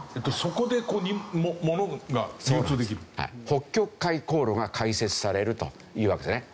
北極海航路が開設されるというわけですね。